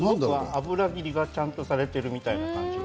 油切りがちゃんとされているみたいな。